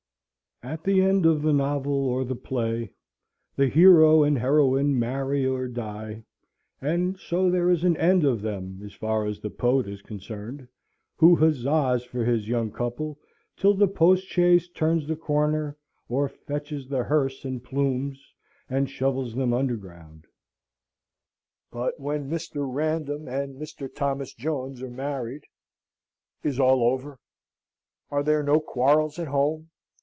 At the end of the novel or the play, the hero and heroine marry or die, and so there is an end of them as far as the poet is concerned, who huzzas for his young couple till the postchaise turns the corner; or fetches the hearse and plumes, and shovels them underground. But when Mr. Random and Mr. Thomas Jones are married, is all over? Are there no quarrels at home?